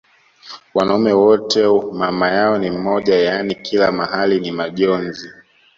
wanaume wote mamayao ni mmoja yani kila mahali ni majonzi